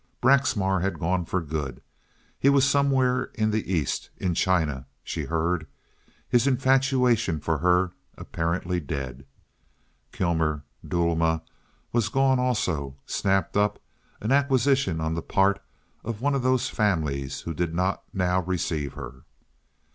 Braxmar had gone for good. He was somewhere in the East—in China, she heard—his infatuation for her apparently dead. Kilmer Duelma was gone also—snapped up—an acquisition on the part of one of those families who did not now receive her.